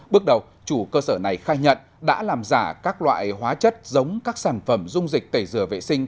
bước đầu chủ cơ sở này khai nhận đã làm giả các loại hóa chất giống các sản phẩm dung dịch tẩy dừa vệ sinh